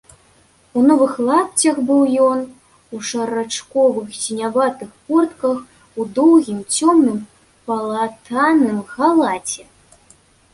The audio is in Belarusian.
У новых лапцях быў ён, у шарачковых сіняватых портках, у доўгім, цёмным, палатаным халаце.